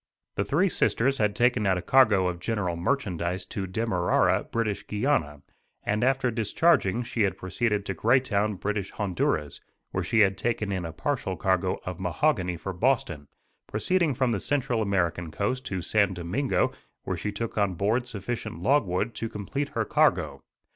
The Three Sisters had taken out a cargo of general merchandise to Demerara, British Guiana, and after discharging she had proceeded to Greytown, British Honduras, where she had taken in a partial cargo of mahogany for Boston, proceeding from the Central American coast to San Domingo where she took on board sufficient logwood to complete her cargo.